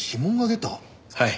はい。